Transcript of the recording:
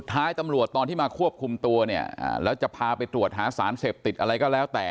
ท้ายตำรวจตอนที่มาควบคุมตัวเนี่ยแล้วจะพาไปตรวจหาสารเสพติดอะไรก็แล้วแต่